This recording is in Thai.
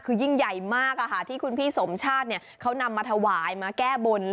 คือยิ่งใหญ่มากที่คุณพี่สมชาติเขานำมาถวายมาแก้บน